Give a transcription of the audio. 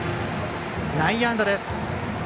内野安打です。